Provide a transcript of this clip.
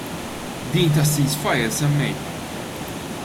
Din tas-ceasefire semmejtha.